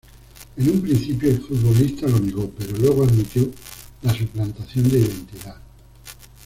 En un principio el futbolista lo negó, pero luego admitió la suplantación de identidad.